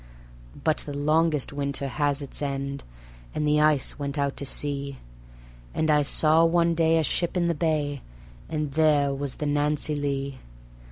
But the longest winter has its end, and the ice went out to sea, And I saw one day a ship in the bay, and there was the Nancy Lee.